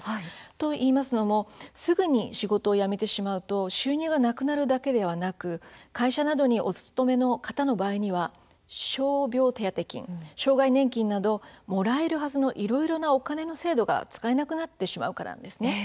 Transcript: といいますのもすぐに仕事を辞めてしまうと収入がなくなるだけではなく会社などに、お勤めの方の場合は傷病手当金、障害年金などもらえるはずのいろいろなお金の制度が使えなくなってしまうんです。